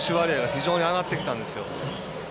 非常に上がってきたんですよ。